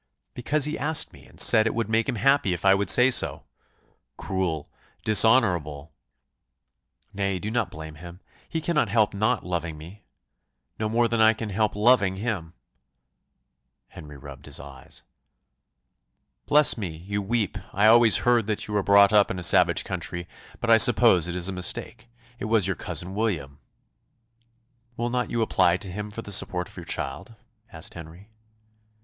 "Because he asked me and said it would make him happy if I would say so." "Cruel! dishonourable!" "Nay, do not blame him; he cannot help not loving me, no more than I can help loving him." Henry rubbed his eyes. "Bless me, you weep! I always heard that you were brought up in a savage country; but I suppose it is a mistake; it was your cousin William." "Will not you apply to him for the support of your child?" asked Henry.